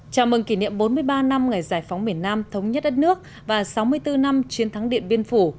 chào mừng kỷ niệm bốn mươi ba năm ngày giải phóng miền nam thống nhất đất nước và sáu mươi bốn năm chiến thắng điện biên phủ